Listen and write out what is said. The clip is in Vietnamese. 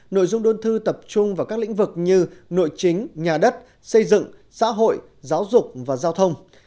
nội dung đơn thư tập trung vào các lĩnh vực như nội chính nhà đất xây dựng xã hội giáo dục và giao thông